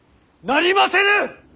なりませぬ！